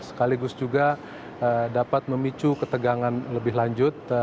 sekaligus juga dapat memicu ketegangan lebih lanjut